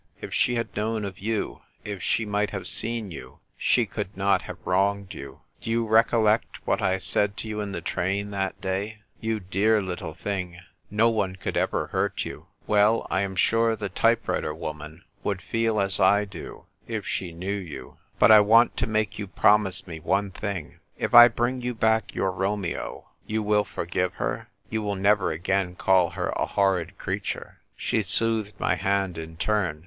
if she had known of you, if she might have seen you, she could not have wronged you. Do you recollect what I said to you in the train that day —' You dear little thing, no v^ne could ever "WHEREFORE ART THOU ROMEO?" 241 hurt you !*? Well, I am sure the type writer woman would feel as I do — if she knew you. But I want to make you promise me one thing — if I bring you back your Romeo, you will forgive her ?— you will never again call her a horrid creature ?" She soothed my hand in turn.